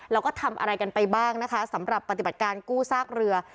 แล้วก็ทำอะไรกันไปบ้างนะคะสำหรับปฏิบัติการกู้ซากเรือ